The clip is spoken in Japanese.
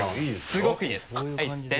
すごくいいです。